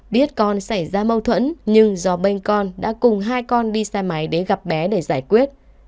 biết con xảy ra mâu thuẫn nhưng do bên con đã cùng hai con đi xe máy đến gặp bé để giải quyết